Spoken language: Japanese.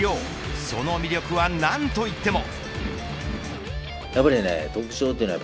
その魅力は何といっても。